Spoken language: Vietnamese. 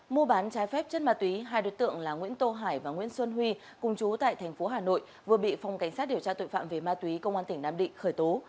mua bán trái phép chất ma túy hai đối tượng là nguyễn tô hải và nguyễn xuân huy cùng chú tại thành phố hà nội vừa bị phòng cảnh sát điều tra tội phạm về ma túy công an tỉnh nam định khởi tố